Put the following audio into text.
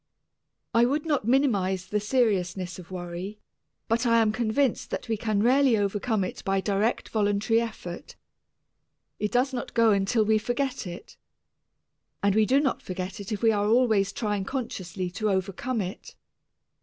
I would not minimize the seriousness of worry, but I am convinced that we can rarely overcome it by direct voluntary effort. It does not go until we forget it, and we do not forget it if we are always trying consciously to overcome it.